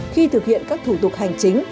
khi thực hiện các thủ tục hành chính